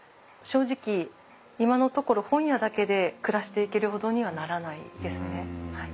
正直今のところ本屋だけで暮らしていけるほどにはならないですね。